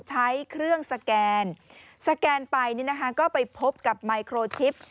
ใช้เครื่องสแกนสแกนไปก็ไปพบกับไมโครชิป